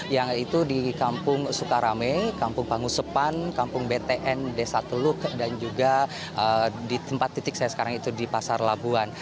yang itu di kampung sukarame kampung pangusepan kampung btn desa teluk dan juga di tempat titik saya sekarang itu di pasar labuan